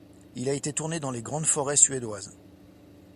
Il a été tourné dans les grandes forêts suédoises.